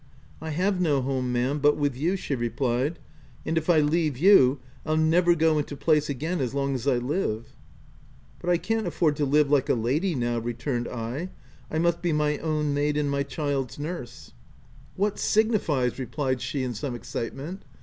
" I have no home, ma'm, but with you," she replied ;" and if I leave you, I'll never go into place again as long as I live," " But I can't afford to live like a lady, now/' returned I : <f I must be my own maid and my child's nurse." OF WILDFELL HALL. 105 " What signifies l" replied she in some ex citement.